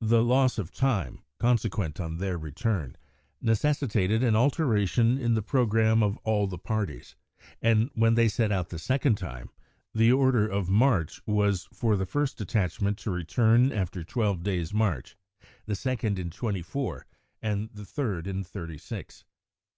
The loss of time, consequent on their return, necessitated an alteration in the programme of all the parties, and when they set out the second time the order of march was for the first detachment to return after twelve days' march, the second in twenty four, and the third in thirty six.